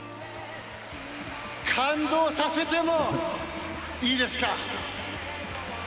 感動させてもいいですか？